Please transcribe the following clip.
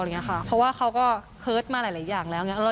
เพราะว่าเขาก็เฮิร์ตมาหลายอย่างแล้ว